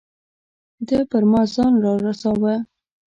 ده پر ما ځان را رساوه.